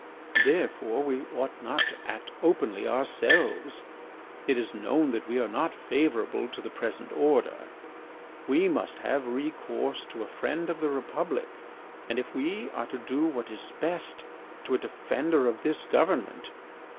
Therefore, we ought not to act openly ourselves. It is known that we are not favourable to the present order. We must have recourse to a friend of the Republic, and, if we are to do what is best, to a defender of this government.